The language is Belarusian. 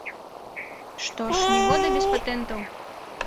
Што ж, ні года без патэнтаў.